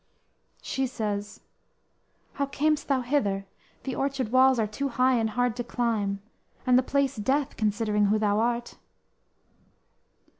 "_ She says: _"How cam'st thou hither? The orchard walls are too high and hard to climb; And the place death, considering who thou art."